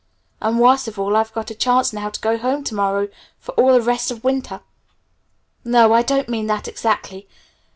And worst of all, I've got a chance now to go home to morrow for all the rest of the winter. No, I don't mean that exactly.